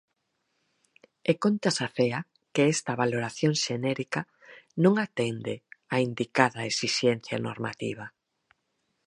E Contas afea que "esta valoración xenérica non atende á indicada exixencia normativa".